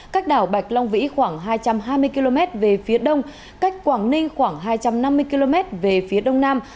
cách đảo bạch long vĩ khoảng hai trăm hai mươi km về phía đông cách quảng ninh khoảng hai trăm năm mươi km về phía đông nam